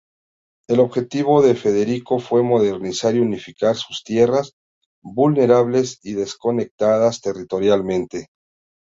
El objetivo de Federico fue modernizar y unificar sus tierras, vulnerables y desconectadas territorialmente.